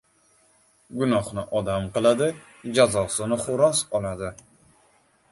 • Gunohni odam qiladi, jazosini xo‘roz oladi.